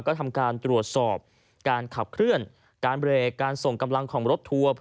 ก็ทำการตรวจสอบการขับเคลื่อนการเบรกการส่งกำลังของรถทัวร์